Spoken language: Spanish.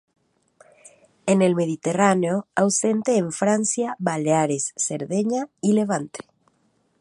En el Mediterráneo, ausente en Francia, Baleares, Cerdeña y Levante.